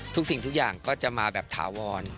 สิ่งทุกอย่างก็จะมาแบบถาวร